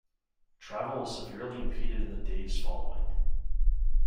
Travel was severely impeded in the days following.